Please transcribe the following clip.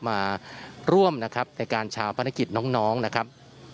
มาร่วมนะครับในการชาวพนักกิจน้องนะครับ